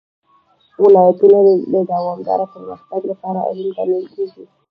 ولایتونه د دوامداره پرمختګ لپاره اړین بلل کېږي.